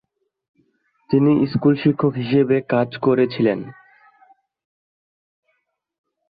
তিনি স্কুল শিক্ষক হিসাবে কাজ করেছিলেন।